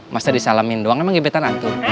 masa disalamin doang emang gebetan aku